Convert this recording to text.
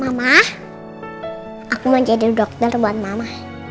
mama aku mau jadi dokter buat mama